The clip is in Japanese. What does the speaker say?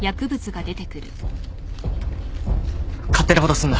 勝手なことすんな。